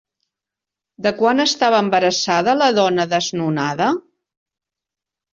De quant estava embarassada la dona desnonada?